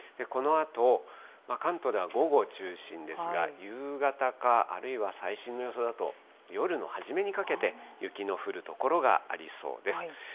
このあと、関東では午後中心ですが、夕方か、あるいは最新の予想だと夜の初めにかけて雪の降る所がありそうです。